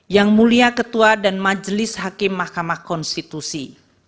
yang mulia ketua dan majelis hakim mahkamah konstitusi